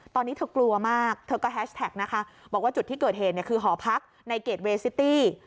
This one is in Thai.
ตอนนี้เธอกลัวมากเธอก็แฮชแท็กนะคะบอกว่าจุดที่เกิดเหตุเนี่ยคือหอพักในเกรดเวซิตี้